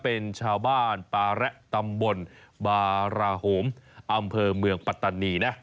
เป็นชาวบ้านปาระตำบลบาราโหมอำเภอเมืองปัตตานีนะ